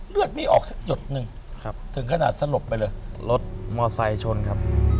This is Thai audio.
เลือดไม่ออกสักจุดหนึ่งถึงขนาดสลบไปเลยรถมอไซค์ชนครับ